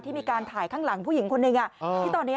ที่มีการถ่ายข้างหลังผู้หญิงคนนึงเนี่ย